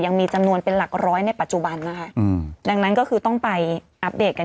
ยังมีจำนวนเป็นหลักร้อยในปัจจุบันนะคะอืมดังนั้นก็คือต้องไปอัปเดตกัน